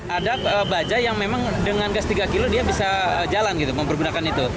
ada baja yang memang dengan gas tiga kg dia bisa jalan gitu mempergunakan itu